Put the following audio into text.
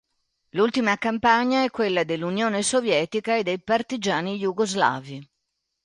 L'ultima campagna è quella dell'Unione Sovietica e dei Partigiani Jugoslavi.